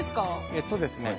えっとですね